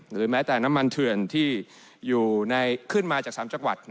หรือแม้แต่น้ำมันเถื่อนที่ขึ้นมาจาก๓จังหวัด